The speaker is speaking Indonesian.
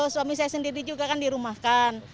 suami saya sendiri juga kan dirumahkan